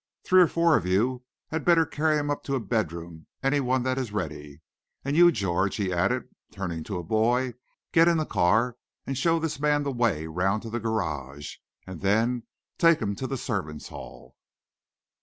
Three or four of you had better carry him up to a bedroom any one that is ready. And you, George," he added, turning to a boy, "get into the car and show this man the way round to the garage, and then take him to the servants' hall."